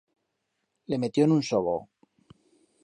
Le metión un sobo.